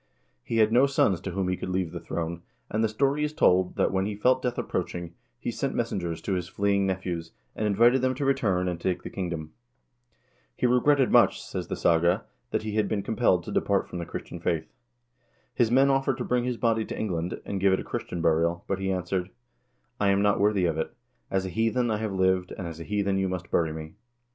He had no sons to whom he could leave the throne, and the story is told that, when he felt death approaching, he sent messengers to his fleeing nephews, and invited them to return and take the kingdom. He regretted much, says the saga,1 that he had been compelled to depart from the Christian faith. His men offered to bring his body to Eng land, and give it Christian burial, but he answered :" I am not worthy of it. As a heathen I have lived, and as a heathen you must bury me."